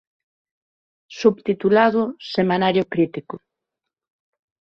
Subtitulado "Semanario crítico.